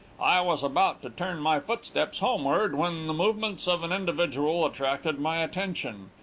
I was about to turn my footsteps homeward, when the movements of an individual attracted my attention.